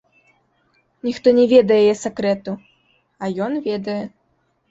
Ніхто не ведае яе сакрэту, а ён ведае.